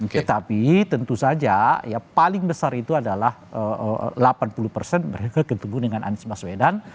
tetapi tentu saja yang paling besar itu adalah delapan puluh persen mereka ketemu dengan anies baswedan